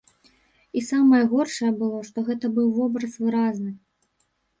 І самае горшае было, што гэта быў вобраз выразны.